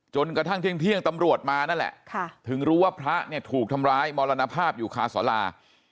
จนกระทั่งเที่ยงตำรวจมานั่นแหละถึงรู้ว่าพระเนี่ยถูกทำร้ายมรณภาพอยู่คาสารา